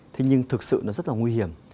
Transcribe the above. thế nhưng thực sự nó rất là nguy hiểm